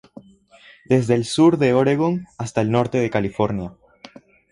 Desde el sur de Oregón hasta el norte de California.